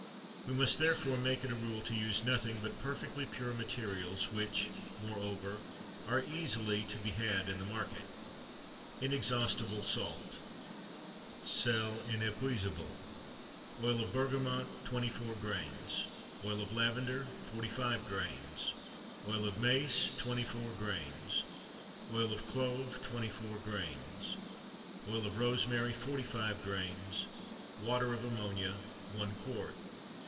We must, therefore, make it a rule to use nothing but perfectly pure materials which, moreover, are easily to be had in the market. INEXHAUSTIBLE SALT (SEL INÉPUISABLE). Oil of bergamot 24 grains. Oil of lavender 45 grains. Oil of mace 24 grains. Oil of clove 24 grains. Oil of rosemary 45 grains. Water of ammonia 1 qt.